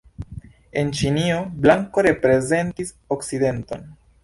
En Ĉinio blanko reprezentis okcidenton.